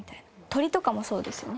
鳥とかもそうですよね？